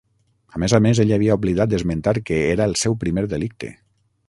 A més a més, ell havia oblidat d'esmentar que era el seu primer delicte.